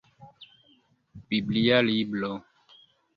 Biblia libro.